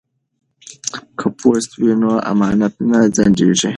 که پوست وي نو امانت نه ځنډیږي.